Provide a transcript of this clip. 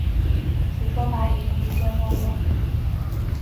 此说法已经逐渐没落。